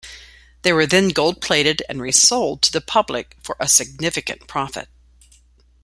They were then gold plated and resold to the public for a significant profit.